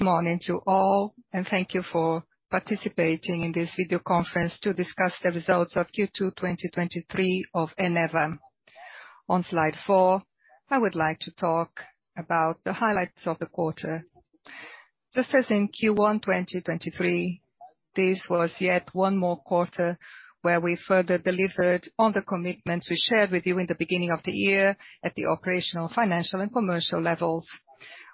Good morning to all. Thank you for participating in this video conference to discuss the results of Q2 2023 of Eneva. On slide four, I would like to talk about the highlights of the quarter. Just as in Q1 2023, this was yet one more quarter where we further delivered on the commitments we shared with you in the beginning of the year at the operational, financial, and commercial levels.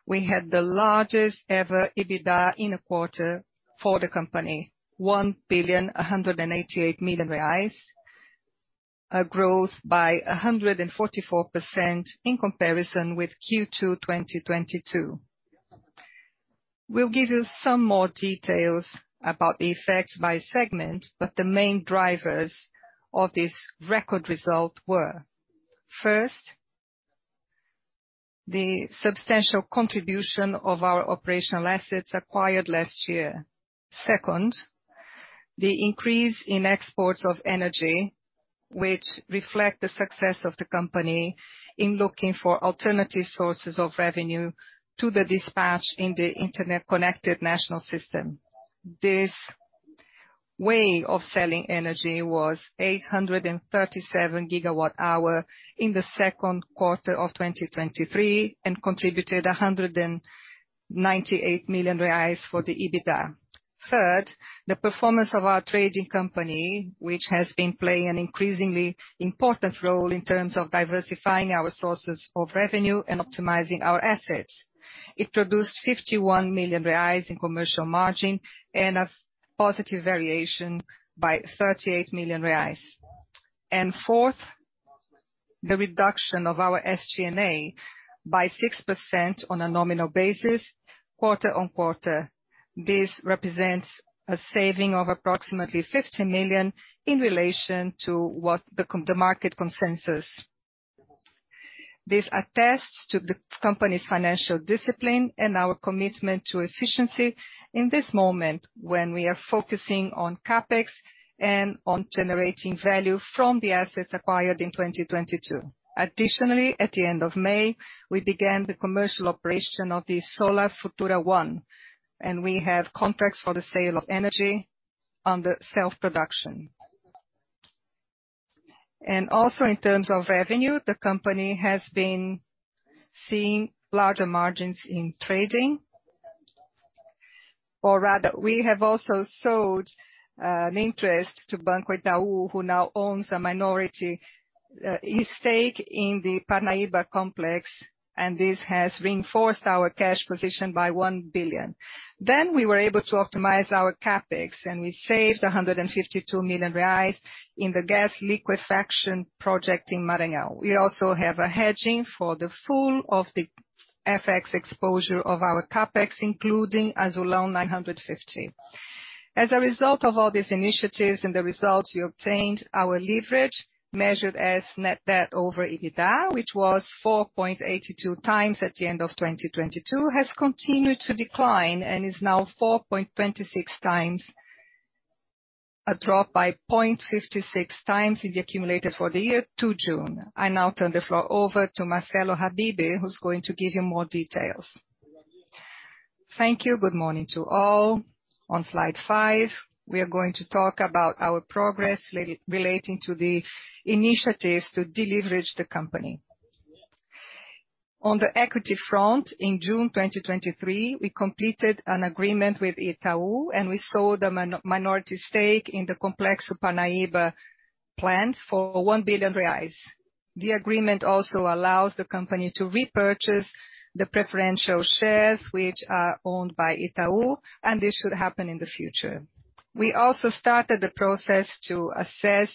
We had the largest ever EBITDA in a quarter for the company, 1.188 billion, a growth by 144% in comparison with Q2 2022. We'll give you some more details about the effects by segment. The main drivers of this record result were: first, the substantial contribution of our operational assets acquired last year. The increase in exports of energy, which reflect the success of the company in looking for alternative sources of revenue to the dispatch in the interconnected national system. This way of selling energy was 837 gigawatt hour in Q2 2023 and contributed 198 million reais for the EBITDA. The performance of our trading company, which has been playing an increasingly important role in terms of diversifying our sources of revenue and optimizing our assets. It produced 51 million reais in commercial margin and a positive variation by 38 million reais. The reduction of our SG&A by 6% on a nominal basis, quarter-on-quarter. This represents a saving of approximately 50 million in relation to what the market consensus. This attests to the company's financial discipline and our commitment to efficiency in this moment, when we are focusing on CapEx and on generating value from the assets acquired in 2022. Additionally, at the end of May, we began the commercial operation of the Solar Futura One, we have contracts for the sale of energy on the self-production. Also, in terms of revenue, the company has been seeing larger margins in trading. Or rather, we have also sold an interest to Banco Itaú, who now owns a minority stake in the Parnaíba complex, and this has reinforced our cash position by 1 billion. We were able to optimize our CapEx, and we saved 152 million reais in the gas liquefaction project in Maranhão. We also have a hedging for the full of the FX exposure of our CapEx, including Azulão 950. As a result of all these initiatives and the results we obtained, our leverage, measured as net debt over EBITDA, which was 4.82x at the end of 2022, has continued to decline and is now 4.26x, a drop by 0.56x in the accumulator for the year to June. I now turn the floor over to Marcelo Habibe, who's going to give you more details. Thank you. Good morning to all. On slide five, we are going to talk about our progress relating to the initiatives to deleverage the company. On the equity front, in June 2023, we completed an agreement with Itaú, and we sold a minority stake in the Complexo Parnaíba plants for 1 billion reais. The agreement also allows the company to repurchase the preferential shares, which are owned by Itaú. This should happen in the future. We also started the process to assess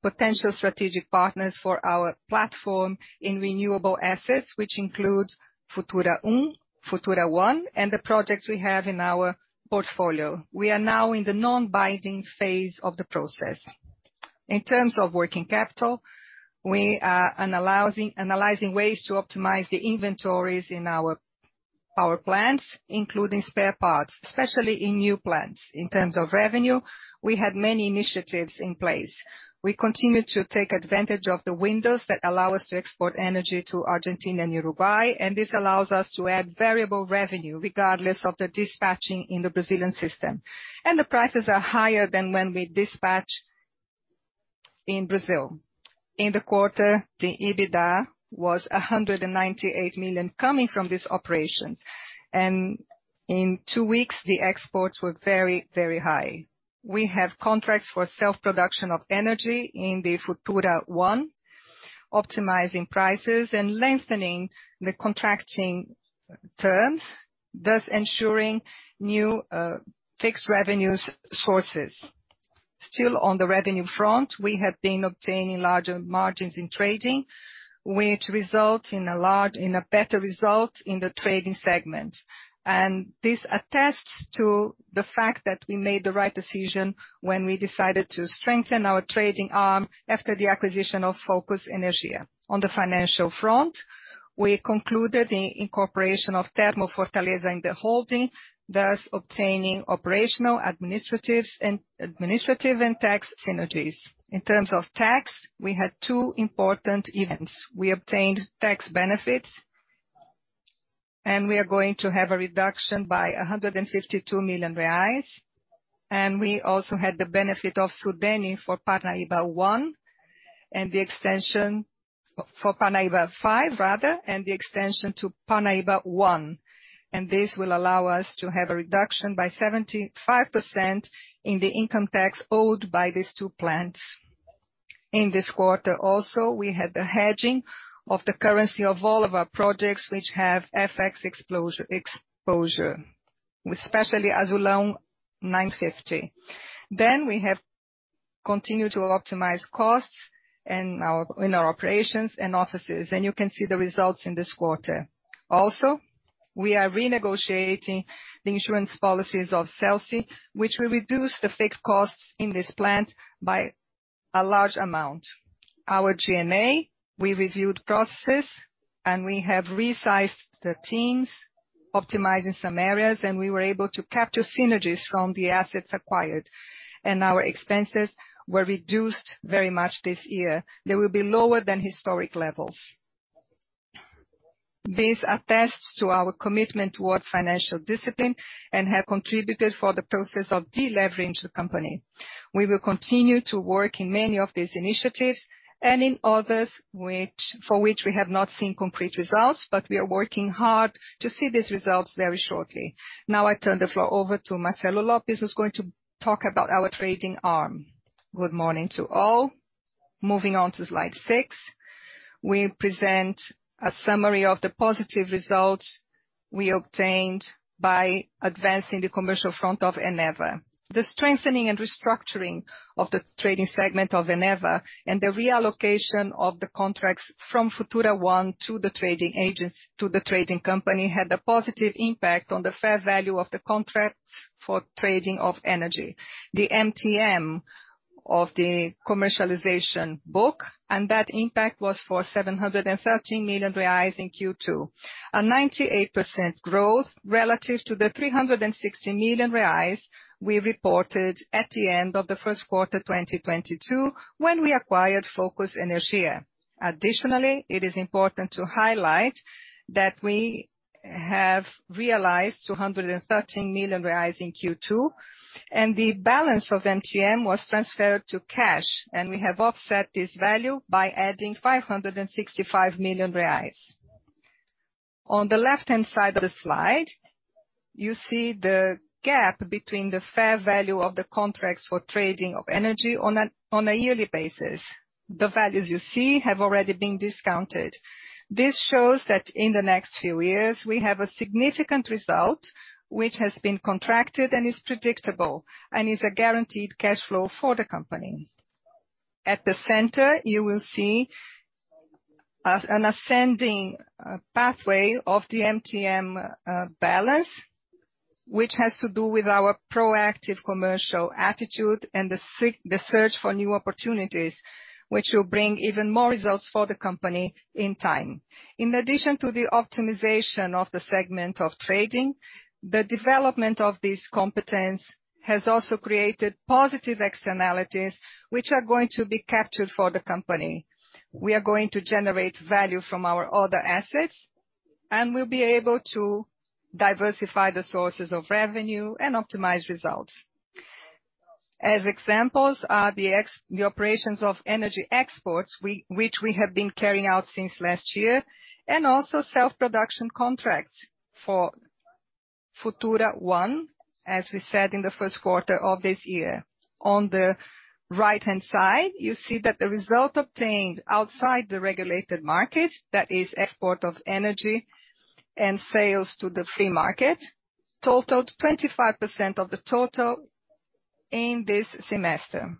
potential strategic partners for our platform in renewable assets, which includes Futura Um, Futura One, and the projects we have in our portfolio. We are now in the non-binding phase of the process. In terms of working capital, we are analyzing ways to optimize the inventories in our plants, including spare parts, especially in new plants. In terms of revenue, we had many initiatives in place. We continued to take advantage of the windows that allow us to export energy to Argentina and Uruguay. This allows us to add variable revenue, regardless of the dispatching in the Brazilian system. The prices are higher than when we dispatch in Brazil. In the quarter, the EBITDA was 198 million coming from these operations. In two weeks, the exports were very, very high. We have contracts for self-production of energy in the Futura Um, optimizing prices and lengthening the contracting terms, thus ensuring new fixed revenues sources. Still on the revenue front, we have been obtaining larger margins in trading, which result in a better result in the trading segment. This attests to the fact that we made the right decision when we decided to strengthen our trading arm after the acquisition of Focus Energia. On the financial front, we concluded the incorporation of Termo Fortaleza in the holding, thus obtaining operational, administrative and tax synergies. In terms of tax, we had two important events. We obtained tax benefits. We are going to have a reduction by R$152 million. We also had the benefit of SUDENE for Parnaíba I, for Parnaíba V, rather, and the extension to Parnaíba I. This will allow us to have a reduction by 75% in the income tax owed by these two plants. In this quarter also, we had the hedging of the currency of all of our projects, which have FX exposure, with especially Azulão 950. We have continued to optimize costs in our operations and offices, and you can see the results in this quarter. Also, we are renegotiating the insurance policies of CELSE, which will reduce the fixed costs in this plant by a large amount. Our Q&A, we reviewed processes, and we have resized the teams, optimizing some areas, and we were able to capture synergies from the assets acquired, and our expenses were reduced very much this year. They will be lower than historic levels. This attests to our commitment towards financial discipline and have contributed for the process of de-leveraging the company. We will continue to work in many of these initiatives and in others, for which we have not seen complete results, but we are working hard to see these results very shortly. Now, I turn the floor over to Marcelo Lopes, who's going to talk about our trading arm. Good morning to all. Moving on to slide six, we present a summary of the positive results we obtained by advancing the commercial front of Eneva. The strengthening and restructuring of the trading segment of Eneva and the reallocation of the contracts from Futura Um to the trading agents, to the trading company, had a positive impact on the fair value of the contracts for trading of energy. The MTM of the commercialization book, and that impact was for 713 million reais in Q2, a 98% growth relative to the 360 million reais we reported at the end of Q1 2022, when we acquired Focus Energia. Additionally, it is important to highlight that we have realized 213 million reais in Q2, and the balance of MTM was transferred to cash, and we have offset this value by adding 565 million reais. On the left-hand side of the slide, you see the gap between the fair value of the contracts for trading of energy on a yearly basis. The values you see have already been discounted. This shows that in the next few years, we have a significant result, which has been contracted and is predictable, and is a guaranteed cash flow for the company. At the center, you will see an ascending pathway of the MTM balance, which has to do with our proactive commercial attitude and the search for new opportunities, which will bring even more results for the company in time. In addition to the optimization of the segment of trading, the development of this competence has also created positive externalities, which are going to be captured for the company. We are going to generate value from our other assets, and we'll be able to diversify the sources of revenue and optimize results. As examples are the operations of energy exports, which we have been carrying out since last year, and also self-production contracts for Futura One, as we said in the Q1 of this year. On the right-hand side, you see that the result obtained outside the regulated market, that is export of energy and sales to the free market, totaled 25% of the total in this semester.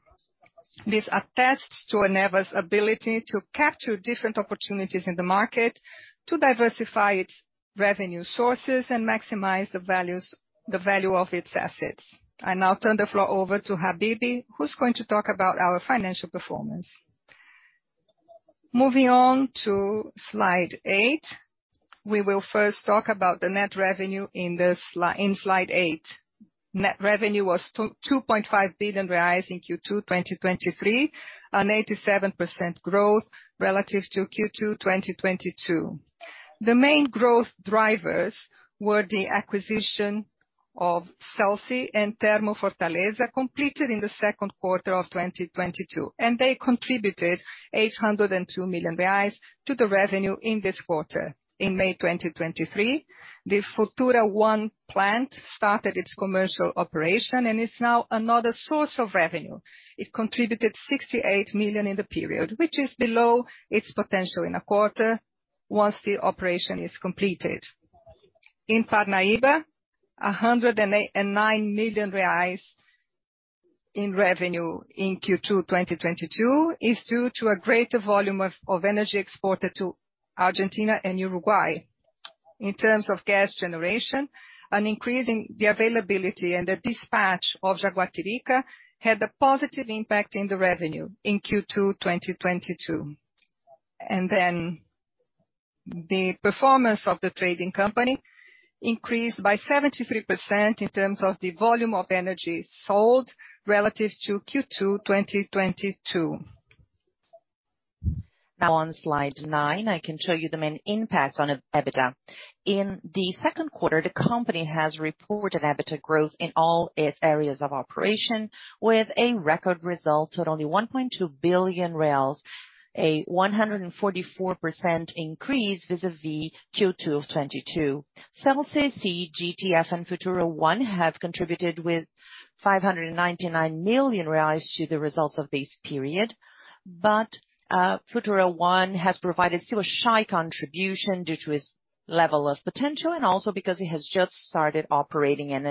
This attests to Eneva's ability to capture different opportunities in the market, to diversify its revenue sources, and maximize the values, the value of its assets. I now turn the floor over to Habibe, who's going to talk about our financial performance. Moving on to slide eight, we will first talk about the net revenue in slide eight. Net revenue was 2.5 billion reais in Q2 2023, an 87% growth relative to Q2 2022. The main growth drivers were the acquisition of CELSE and Termo Fortaleza, completed in Q2 2022, they contributed 802 million reais to the revenue in this quarter. In May 2023, the Futura Um plant started its commercial operation, is now another source of revenue. It contributed 68 million in the period, which is below its potential in a quarter once the operation is completed. In Parnaíba, 109 million reais in revenue in Q2 2022 is due to a greater volume of energy exported to Argentina and Uruguay. In terms of gas generation, an increase in the availability and the dispatch of Jaguatirica had a positive impact in the revenue in Q2, 2022. The performance of the trading company increased by 73% in terms of the volume of energy sold relative to Q2, 2022. Now on slide nine, I can show you the main impact on EBITDA. In the Q2, the company has reported EBITDA growth in all its areas of operation, with a record result at only 1.2 billion, a 144% increase vis-a-vis Q2 of 2022. CELSE, CGTS, and Futura Um have contributed with 599 million reais to the results of this period. Futura Um has provided still a shy contribution due to its level of potential, and also because it has just started operating and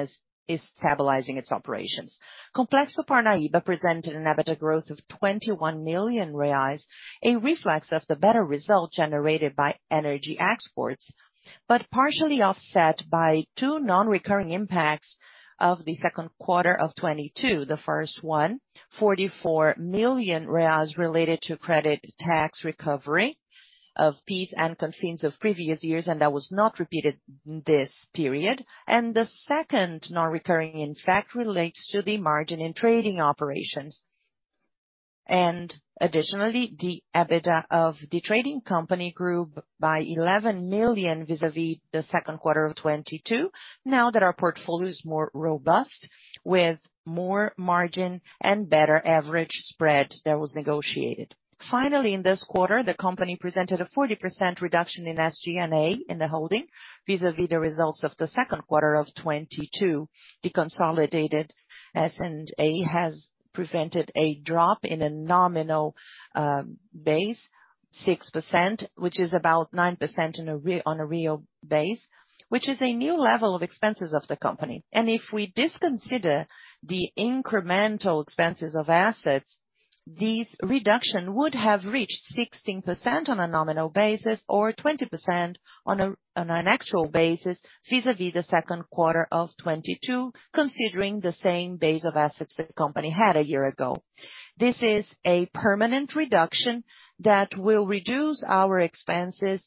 is stabilizing its operations. Complexo Parnaíba presented an EBITDA growth of 21 million reais, a reflex of the better result generated by energy exports, but partially offset by two non-recurring impacts of the Q2 of 2022. The first one, 44 million reais related to credit tax recovery of PIS and COFINS of previous years, and that was not repeated in this period. The second non-recurring impact relates to the margin in trading operations. Additionally, the EBITDA of the trading company grew by 11 million vis-a-vis the Q2 of 2022, now that our portfolio is more robust, with more margin and better average spread that was negotiated. Finally, in this quarter, the company presented a 40% reduction in SG&A in the holding, vis-a-vis the results of the Q2 of 2022. The consolidated SG&A has prevented a drop in a nominal base, 6%, which is about 9% on a real base, which is a new level of expenses of the company. If we disconsider the incremental expenses of assets, this reduction would have reached 16% on a nominal basis or 20% on an actual basis, vis-a-vis the Q2 of 2022, considering the same base of assets the company had a year ago. This is a permanent reduction that will reduce our expenses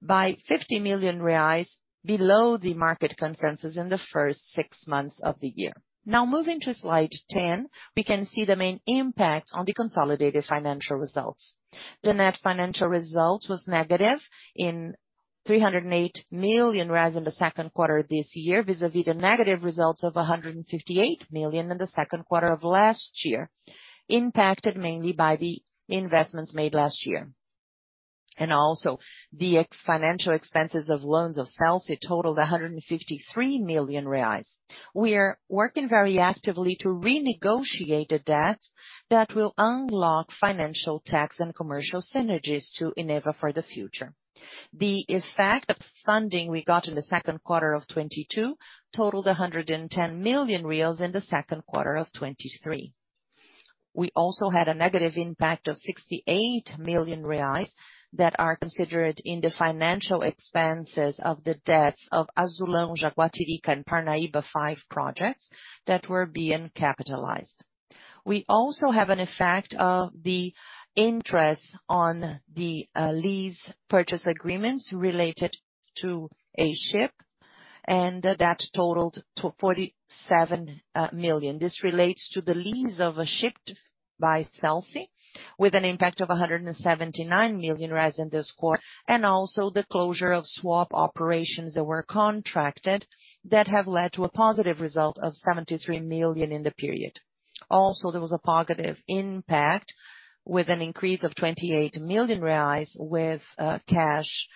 by 50 million reais below the market consensus in the first six months of the year. Moving to slide 10, we can see the main impact on the consolidated financial results. The net financial results was negative in 308 million in the Q2 of this year, vis-a-vis the negative results of 158 million in the Q2 of last year, impacted mainly by the investments made last year. Also, the ex-financial expenses of loans of CELSE totaled 153 million reais. We are working very actively to renegotiate the debt that will unlock financial, tax, and commercial synergies to Eneva for the future. The effect of funding we got in the Q2 of 2022 totaled BRL 110 million in the Q2 of 2023. We also had a negative impact of 68 million reais that are considered in the financial expenses of the debts of Azulão, Jaguatirica, and Parnaíba V projects that were being capitalized. We also have an effect of the interest on the lease purchase agreements related to a ship, and that totaled to 47 million. This relates to the lease of a ship by CELSE, with an impact of 179 million in this quarter, and also the closure of swap operations that were contracted that have led to a positive result of 73 million in the period. Also, there was a positive impact, with an increase of 28 million reais with cash results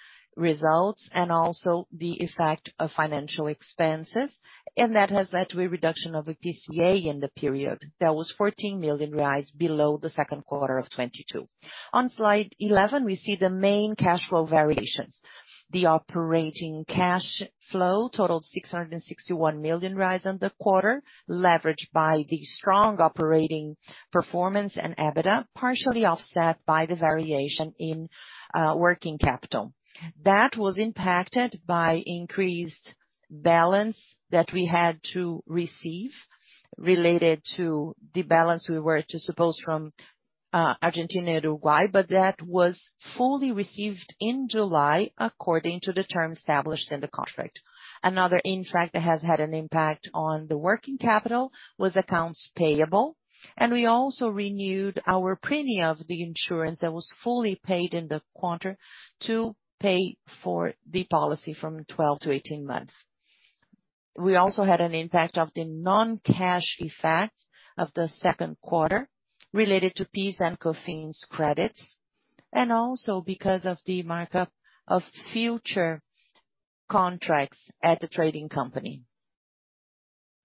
and also the effect of financial expenses, and that has led to a reduction of IPCA in the period. That was 14 million reais below the 2Q 2022. On Slide 11, we see the main cash flow variations. The operating cash flow totaled 661 million in the quarter, leveraged by the strong operating performance and EBITDA, partially offset by the variation in working capital. That was impacted by increased balance that we had to receive related to the balance we were to suppose from Argentina and Uruguay, but that was fully received in July, according to the terms established in the contract. Another impact that has had an impact on the working capital was accounts payable, and we also renewed our premium of the insurance that was fully paid in the quarter to pay for the policy from 12-18 months. We also had an impact of the non-cash effect of the Q2 related to PIS and COFINS credits, and also because of the MTM of future contracts at the trading company.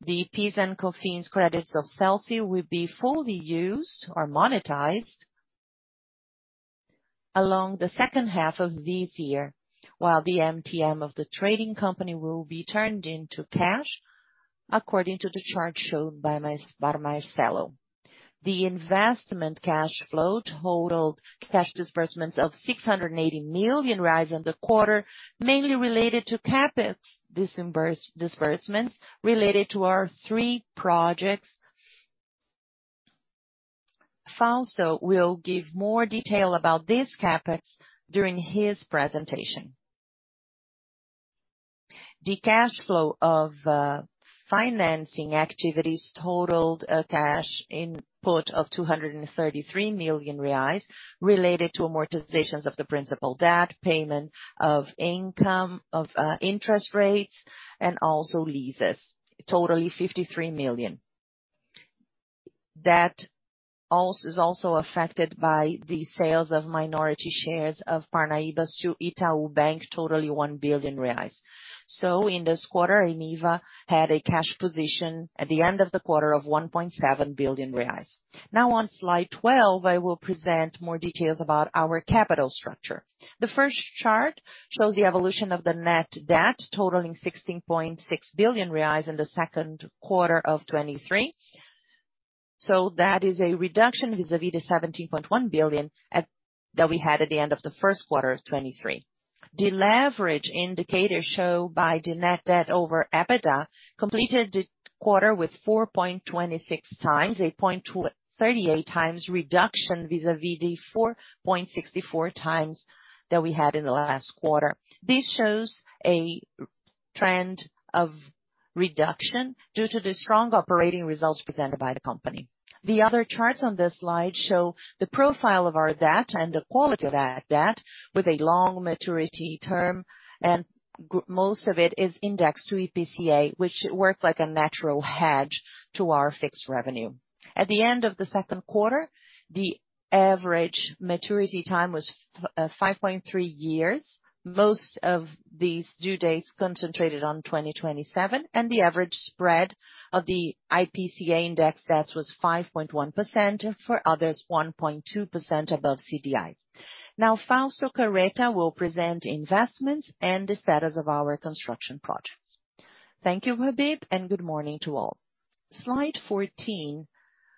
The PIS and COFINS credits of CELSE will be fully used or monetized along the second half of this year, while the MTM of the trading company will be turned into cash, according to the chart shown by Marcelo. The investment cash flow totaled cash disbursements of 680 million in the quarter, mainly related to CapEx disbursements related to our three projects. Fausto Caretta will give more detail about this CapEx during his presentation. The cash flow of financing activities totaled a cash input of 233 million reais, related to amortizations of the principal debt, payment of income, of interest rates, and also leases, totally 53 million. That also, is also affected by the sales of minority shares of Parnaíba to Banco Itaú, totally 1 billion reais. In this quarter, Eneva had a cash position at the end of the quarter of 1.7 billion reais. Now, on slide 12, I will present more details about our capital structure. The first chart shows the evolution of the net debt, totaling 16.6 billion reais in the Q2 of 2023. That is a reduction vis-a-vis the 17.1 billion that we had at the end of the Q1 of 2023. The leverage indicators show by the net debt over EBITDA, completed the quarter with 4.26x, a 0.38x reduction vis-a-vis the 4.64x that we had in the last quarter. This shows a trend of reduction due to the strong operating results presented by the company. The other charts on this slide show the profile of our debt and the quality of our debt, with a long maturity term, and most of it is indexed to IPCA, which works like a natural hedge to our fixed revenue. At the end of the Q2, the average maturity time was 5.3 years. Most of these due dates concentrated on 2027, and the average spread of the IPCA index, that was 5.1%, and for others, 1.2% above CDI. Now, Fausto Caretta will present investments and the status of our construction projects. Thank you, Habibe. Good morning to all. Slide 14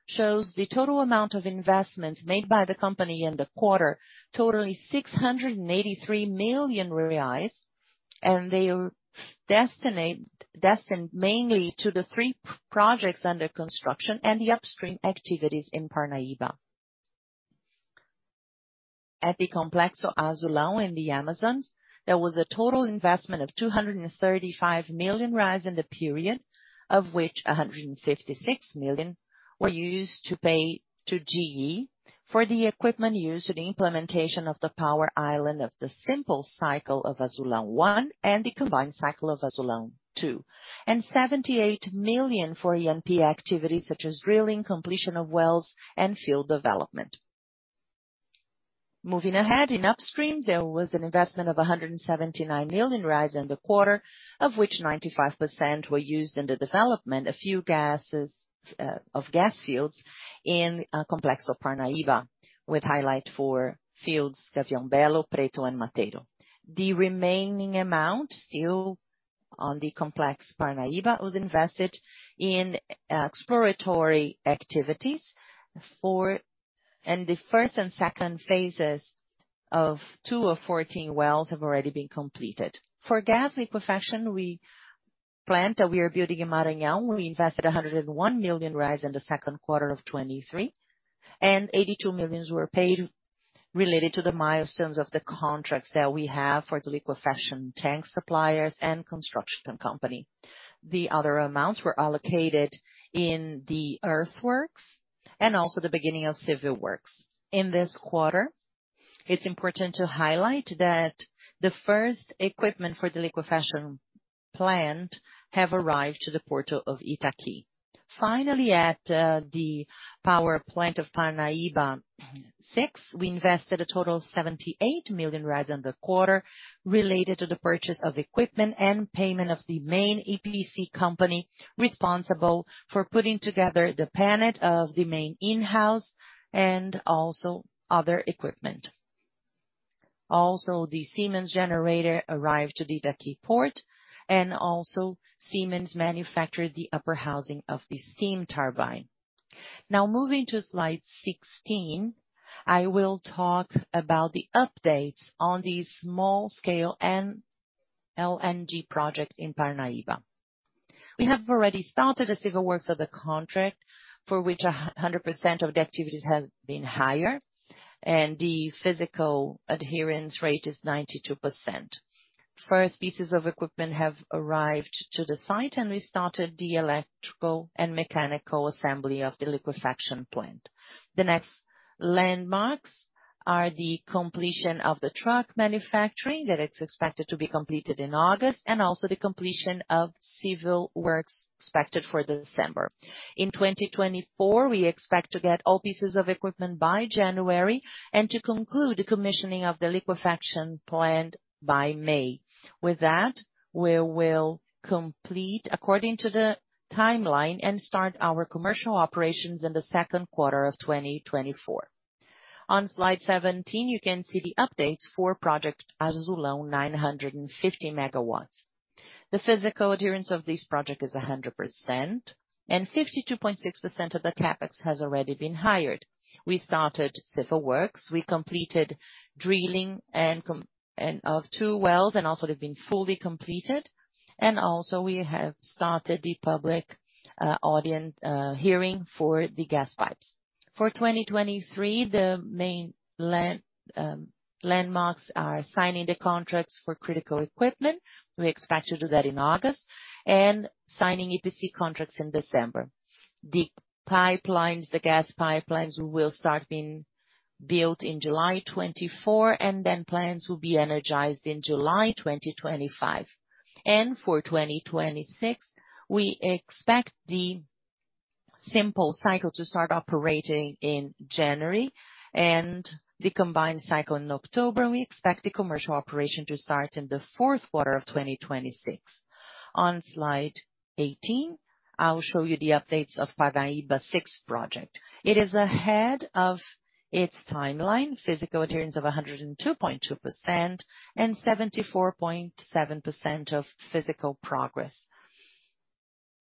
shows the total amount of investments made by the company in the quarter, totaling 683 million reais. They are destined mainly to the three projects under construction and the upstream activities in Parnaíba. At the Complexo Azulão in Amazonas, there was a total investment of 235 million in the period, of which 156 million were used to pay to GE for the equipment used in the implementation of the power island of the simple cycle of Azulão I and the combined cycle Azulão II. 78 million for E&P activities, such as drilling, completion of wells, and field development. Moving ahead, in upstream, there was an investment of 179 million in the quarter, of which 95% were used in the development of gas fields in Complexo Parnaíba, with highlight for fields Gavião Belo, Preto and Mateiro. The remaining amount, still on the Complexo Parnaíba, was invested in exploratory activities. The 1st and 2nd phases of two of 14 wells have already been completed. For gas liquefaction plant that we are building in Maranhão, we invested 101 million reais in Q2 2023, and 82 million were paid related to the milestones of the contracts that we have for the liquefaction tank suppliers and construction company. The other amounts were allocated in the earthworks and also the beginning of civil works. In this quarter, it's important to highlight that the first equipment for the liquefaction plant have arrived to the Port of Itaqui. Finally, at the power plant of Parnaíba VI, we invested a total of 78 million in the quarter, related to the purchase of equipment and payment of the main EPC company, responsible for putting together the panel of the main in-house and also other equipment. Also, the Siemens generator arrived to the Itaqui Port, and also Siemens manufactured the upper housing of the steam turbine. Now, moving to slide 16, I will talk about the updates on the small scale and LNG project in Parnaíba. We have already started the civil works of the contract, for which 100% of the activities has been hired, and the physical adherence rate is 92%. First pieces of equipment have arrived to the site, and we started the electrical and mechanical assembly of the liquefaction plant. The next landmarks are the completion of the truck manufacturing, that it's expected to be completed in August, and also the completion of civil works, expected for December. In 2024, we expect to get all pieces of equipment by January, and to conclude the commissioning of the liquefaction plant by May. With that, we will complete according to the timeline and start our commercial operations in the Q2 of 2024. On Slide 17, you can see the updates for Project Azulão 950 MW. The physical adherence of this project is 100%, and 52.6% of the CapEx has already been hired. We started civil works, we completed drilling and of two wells, and also they've been fully completed. Also, we have started the public audience hearing for the gas pipes. For 2023, the main landmarks are signing the contracts for critical equipment. We expect to do that in August, signing EPC contracts in December. The pipelines, the gas pipelines, will start being built in July 2024, then plans will be energized in July 2025. For 2026, we expect the simple cycle to start operating in January and the combined cycle in October. We expect the commercial operation to start in the Q4 of 2026. On slide 18, I'll show you the updates of Parnaíba VI project. It is ahead of its timeline, physical adherence of 102.2% and 74.7% of physical progress.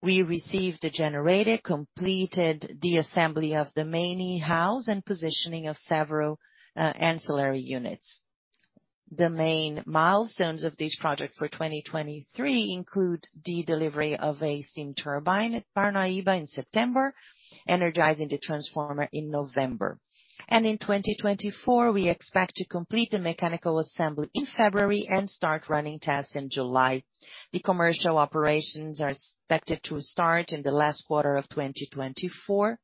We received the generator, completed the assembly of the main e-house and positioning of several ancillary units. The main milestones of this project for 2023 include the delivery of a steam turbine at Parnaíba in September, energizing the transformer in November. In 2024, we expect to complete the mechanical assembly in February and start running tests in July. The commercial operations are expected to start in the last quarter of 2024,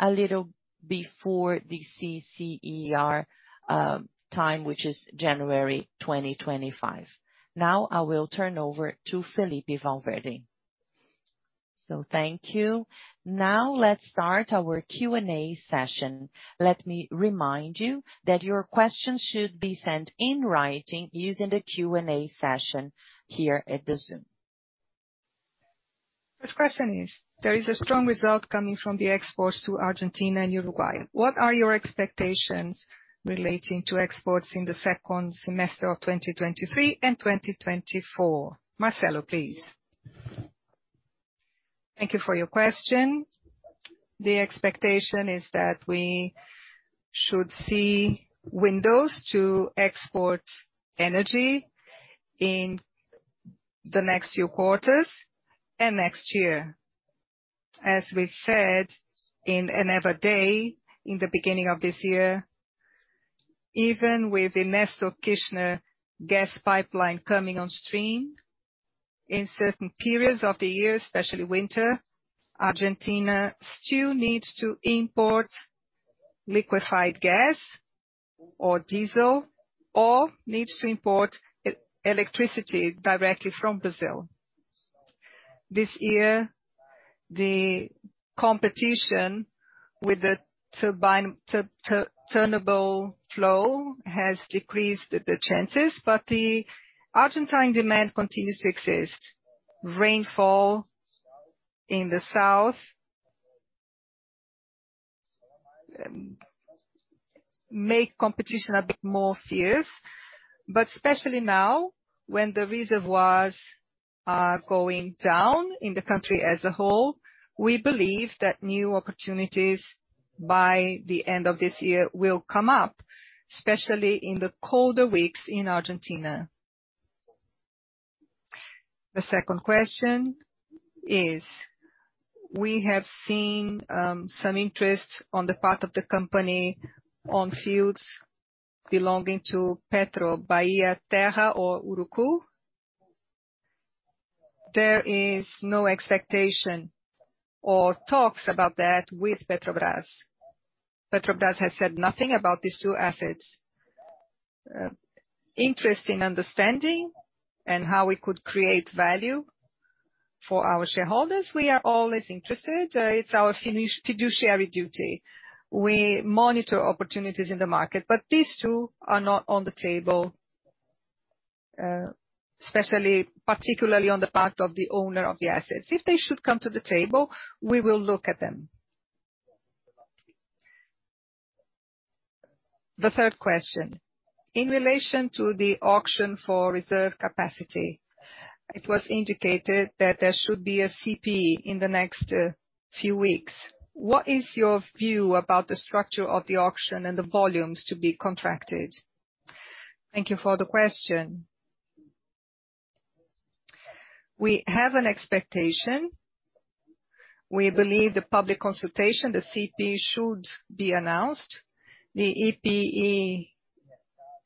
a little before the CCER time, which is January 2025. Now, I will turn over to Felippe Valverde. Thank you. Now, let's start our Q&A session. Let me remind you that your questions should be sent in writing using the Q&A session here at the Zoom. First question is: There is a strong result coming from the exports to Argentina and Uruguay. What are your expectations relating to exports in the second semester of 2023 and 2024? Marcelo, please. Thank you for your question. The expectation is that we should see windows to export energy in the next few quarters and next year. As we said, in another day, in the beginning of this year, even with the Néstor Kirchner Gas Pipeline coming on stream, in certain periods of the year, especially winter, Argentina still needs to import liquefied gas or diesel, or needs to import e-electricity directly from Brazil. This year, the competition with the turbine, turnable flow has decreased the chances. The Argentine demand continues to exist. Rainfall in the south make competition a bit more fierce. Especially now, when the reservoirs are going down in the country as a whole, we believe that new opportunities by the end of this year will come up, especially in the colder weeks in Argentina. The second question is: We have seen some interest on the part of the company on fields belonging to Petrobras, Terra or Urucu. There is no expectation or talks about that with Petrobras. Petrobras has said nothing about these two assets. Interest in understanding and how we could create value for our shareholders, we are always interested. It's our fiduciary duty. We monitor opportunities in the market, but these two are not on the table, especially, particularly on the part of the owner of the assets. If they should come to the table, we will look at them. The third question: In relation to the auction for reserve capacity, it was indicated that there should be a CP in the next few weeks. What is your view about the structure of the auction and the volumes to be contracted? Thank you for the question. We have an expectation. We believe the public consultation, the CP, should be announced. The EPE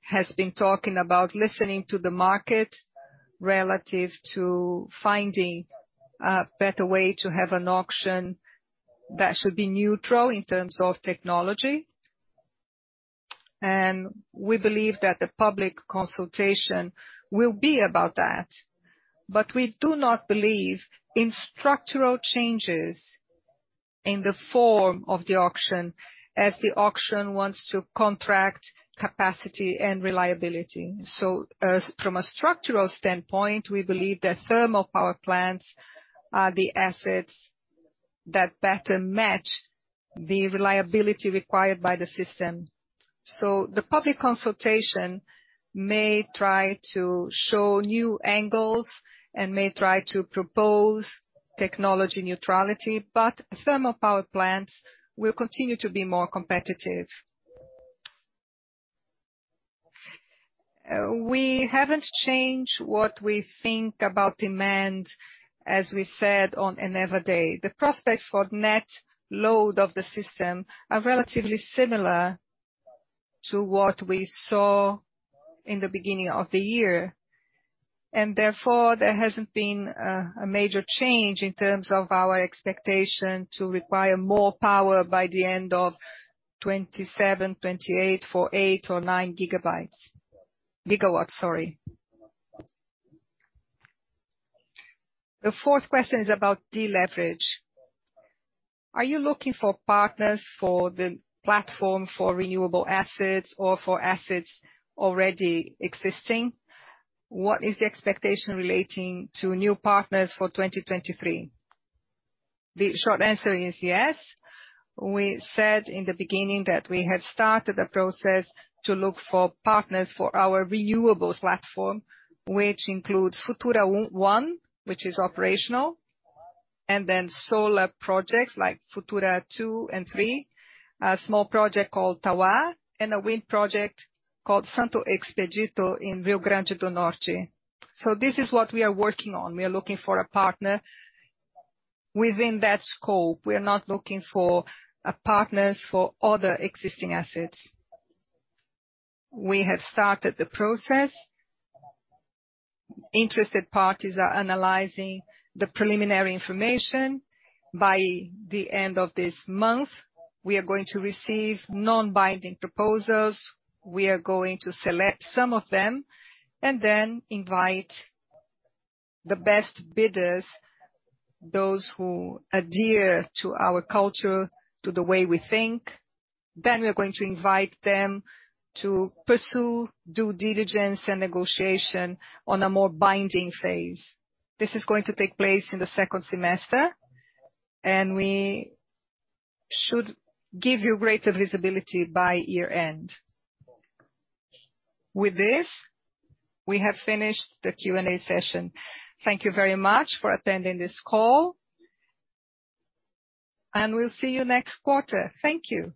has been talking about listening to the market relative to finding a better way to have an auction that should be neutral in terms of technology. We believe that the public consultation will be about that, but we do not believe in structural changes in the form of the auction, as the auction wants to contract capacity and reliability. From a structural standpoint, we believe that thermal power plants are the assets that better match the reliability required by the system. The public consultation may try to show new angles and may try to propose technology neutrality, but thermal power plants will continue to be more competitive. We haven't changed what we think about demand, as we said on another day. The prospects for net load of the system are relatively similar to what we saw in the beginning of the year, and therefore, there hasn't been a major change in terms of our expectation to require more power by the end of 2027, 2028 for 8 or 9 GW. The fourth question is about deleverage. Are you looking for partners for the platform, for renewable assets or for assets already existing? What is the expectation relating to new partners for 2023? The short answer is yes. We said in the beginning that we had started a process to look for partners for our renewables platform, which includes Futura Um, which is operational, and then solar projects like Futura Dois and Três, a small project called Tawa, and a wind project called Santo Expedito in Rio Grande do Norte. This is what we are working on. We are looking for a partner within that scope. We are not looking for a partners for other existing assets. We have started the process. Interested parties are analyzing the preliminary information. By the end of this month, we are going to receive non-binding proposals. We are going to select some of them and then invite the best bidders, those who adhere to our culture, to the way we think. We are going to invite them to pursue due diligence and negotiation on a more binding phase. This is going to take place in the second semester, and we should give you greater visibility by year-end. With this, we have finished the Q&A session. Thank you very much for attending this call, and we'll see you next quarter. Thank you!